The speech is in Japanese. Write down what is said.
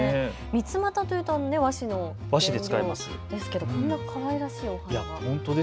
ミツマタというと和紙の原料ですけどこんなかわいらしいお花。